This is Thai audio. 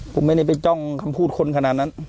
ผมไม่ได้ไปจ้องคำพูดคนขนาดนั้น